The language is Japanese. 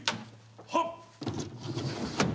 はっ。